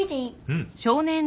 うん